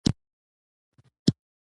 کتابونه جریدې او دولتي پاڼې یې خپرولې.